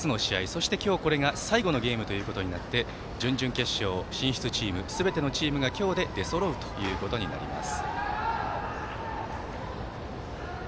そして今日これが最後の試合となって準々決勝進出チームすべてのチームが今日で出そろうということになります。